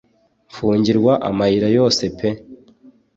mfungirwa amayira yose pe